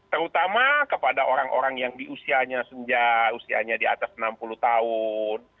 terutama kepada orang orang yang diusianya sejak usianya di atas enam puluh tahun